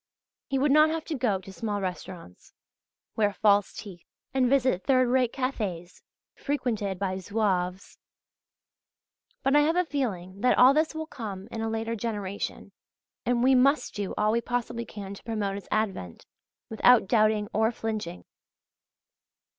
He would not have to go to small restaurants, wear false teeth and visit third rate cafés frequented by Zouaves.{AA} But I have a feeling that all this will come in a later generation. And we must do all we possibly can to promote its advent, without doubting or flinching.